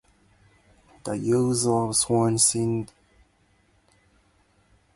The use of swans is a pun on Doctor Swann's name.